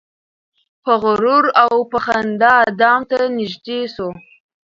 په غرور او په خندا دام ته نیژدې سو